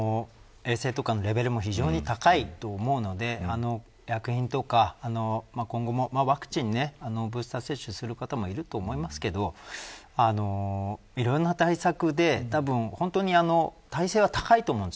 日本は医療の衛生とかのレベルも非常に高いと思うので薬品とか今後もワクチンブースター接種する方もいると思いますけどいろんな対策でたぶん、本当に耐性は高いと思うんです。